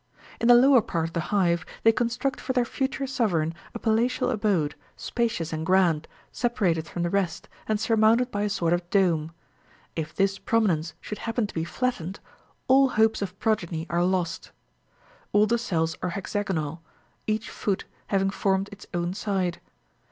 In the lower part of the hive they construct for their future sovereign a palatial abode,29 spacious and grand, separated from the rest, and surmounted by a sort of dome : if this promi nence should happen to be flattened, all hopes of progeny are lost. All the cells are hexagonal, each foot30 having formed its own side.